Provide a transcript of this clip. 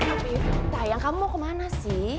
tapi tayang kamu mau kemana sih